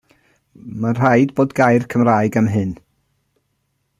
Mae'n rhaid bod gair Cymraeg am hyn?